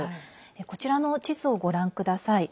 こちらの地図をご覧ください。